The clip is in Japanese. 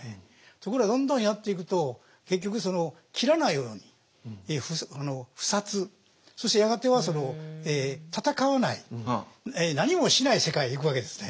ところがどんどんやっていくと結局斬らないように不殺そしてやがては戦わない何もしない世界へ行くわけですね。